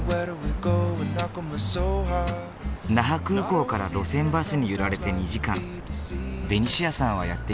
那覇空港から路線バスに揺られて２時間ベニシアさんはやって来た。